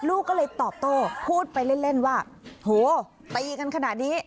ลูกก็เลยตอบโต้พูดไปเล่นว่าโถตีกันขนาดนี้